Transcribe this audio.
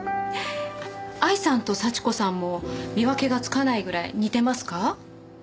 愛さんと幸子さんも見分けがつかないぐらい似てますか？